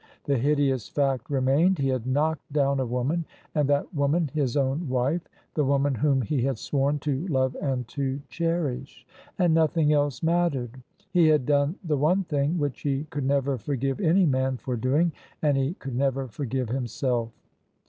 The hideous fact remained: he had knocked down a woman, and that woman his own wife — the woman whom he had sworn to love and to cherish: and nothing else mattered. He had done the one thing which he could never forgive any man for doing, and he could never forgive himself.